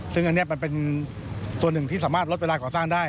ซึ่งอันนี้มันเป็นส่วนหนึ่งที่สามารถลดเวลาก่อสร้างได้